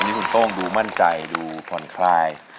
นี่คุณโต้งดูมั่นใจดูผ่อนคลาย